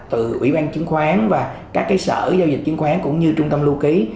từ ủy ban chứng khoán và các sở giao dịch chứng khoán cũng như trung tâm lưu ký